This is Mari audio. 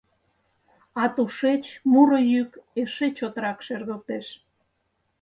А тушеч муро йӱк эше чотрак шергылтеш.